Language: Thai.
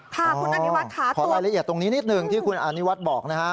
ค่ะคุณอนิวัฒน์ค่ะขอรายละเอียดตรงนี้นิดหนึ่งที่คุณอานิวัฒน์บอกนะฮะ